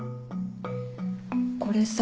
これさ。